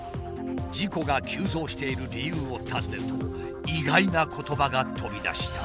事故が急増している理由を尋ねると意外な言葉が飛び出した。